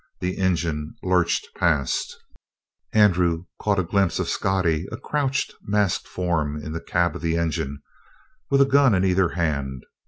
The engine lurched past; Andrew caught a glimpse of Scottie, a crouched, masked form in the cab of the engine, with a gun in either hand.